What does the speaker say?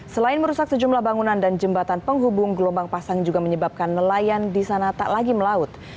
selain merusak sejumlah bangunan dan jembatan penghubung gelombang pasang juga menyebabkan nelayan di sana tak lagi melaut